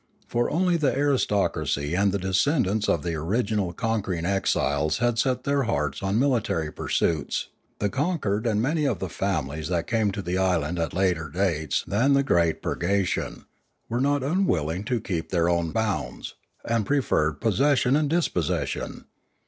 For only the aristocracy and the descendants of the original con quering exiles had set their hearts on military pursuits; the conquered and many of the families that came to the island at later dates than the great purgation, were not unwilling to keep to their own bounds, and pre ferred possession to dispossession.